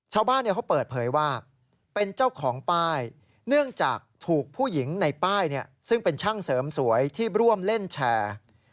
ชาวบ้านเขาเปิดเผยว่าเป็นเจ้าของป้ายเนื่องจากถูกผู้หญิงในป้ายซึ่งเป็นช่างเสริมสวยที่ร่วมเล่นแชร์